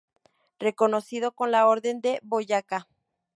Reconocido con la Orden de Boyacá.